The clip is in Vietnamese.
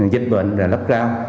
dịch bệnh là lấp ra